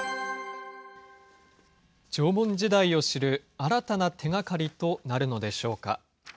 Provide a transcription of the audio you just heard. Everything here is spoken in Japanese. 縄文時代を知る新たな手がかりとなるのでしょうか。